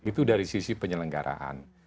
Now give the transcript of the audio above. itu dari sisi penyelenggaraan